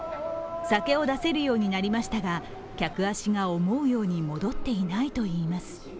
酒を出せるようになりましたが客足が思うように戻っていないといいます。